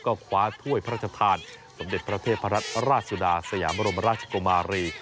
ก็คว้าถ้วยพระราชทานสมเด็จพระเทพรัตนราชสุดาสยามรมราชกุมารี